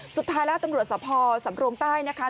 สุดท้ายแล้วตำรวจสภสำรงใต้นะคะ